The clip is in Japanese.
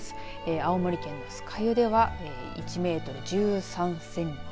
青森県の酸ヶ湯では１メートル１３センチ。